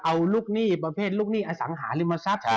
เอารุกหนี้ประเภทสังหาริมทรัพย์